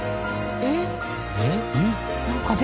えっ！？